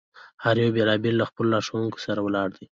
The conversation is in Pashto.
هر یو بېل بېل له خپلو لارښوونکو سره ولاړ دي.